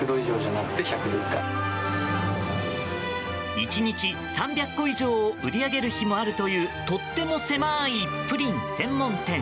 １日３００個以上を売り上げる日もあるというとっても狭いプリン専門店。